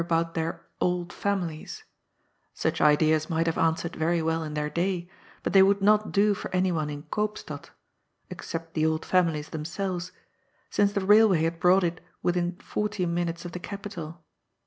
about their ^' old families "; such ideas might have answered very well in their day, but they would not do for anyone in Koopstad (except the old families themselves) since the railway had brought it within forty minutes of the capital.